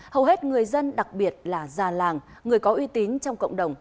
hầu hết người dân đặc biệt là già làng người có uy tín trong cộng đồng